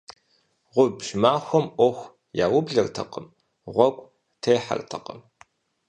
Гъубж махуэм Ӏуэху яублэртэкъым, гъуэгу техьэртэкъым.